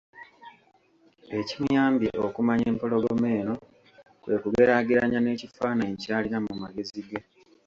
Ekimuyambye okumanya empologoma eno kwe kugeraageranya n'ekifaananyi ky'alina mu magezi ge.